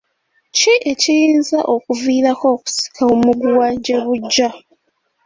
Ki ekiyinza okuviirako okusika omuguwa gye bujja?